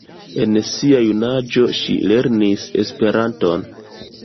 En sia junaĝo ŝi lernis Esperanton.